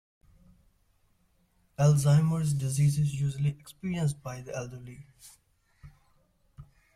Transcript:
Alzheimer’s disease is usually experienced by the elderly.